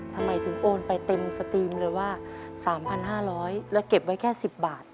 ทำไมถึงโอนไปเต็มสตรีมเลยว่า๓๕๐๐แล้วเก็บไว้แค่๑๐บาท